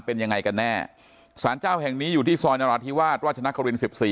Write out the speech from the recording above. เป็นยังไงกันแน่สารเจ้าแห่งนี้อยู่ที่ซอยนราธิวาสราชนครินสิบสี่